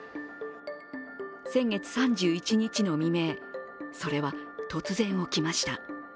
先月３１日の未明それは突然、起きました。